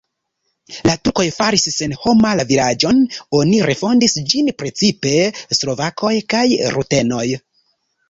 La turkoj faris senhoma la vilaĝon, oni refondis ĝin precipe slovakoj kaj rutenoj.